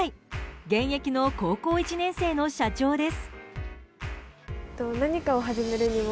現役の高校１年生の社長です。